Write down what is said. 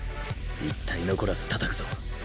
一体残らずたたくぞ。